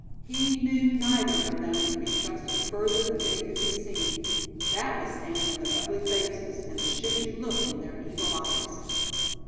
He knew neither of them could be trusted further than they could be seen; that was stamped on their ugly faces, and the shifty look in their evil eyes.